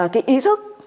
cái ý thức